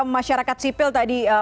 masyarakat sipil tadi